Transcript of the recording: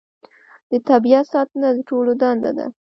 د طبیعت ساتنه د ټولو دنده ده